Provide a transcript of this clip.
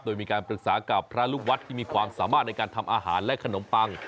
โดยมีการปรึกษากับพระลูกวัดที่มีความสามารถในการทำอาหารและขนมปัง